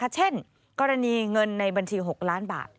เช่นกรณีเงินในบัญชี๖ล้านบาท